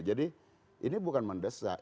jadi ini bukan mendesak